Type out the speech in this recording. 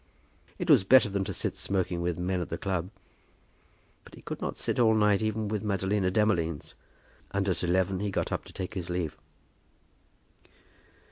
It was better than to sit smoking with men at the club. But he could not sit all night even with Madalina Demolines, and at eleven he got up to take his leave.